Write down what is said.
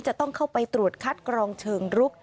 จะต้องเข้าไปตรวจคัดกรองเชิงรุก